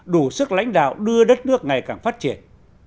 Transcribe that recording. đủ sức lãnh đạo đưa đất nước ngày càng phát triển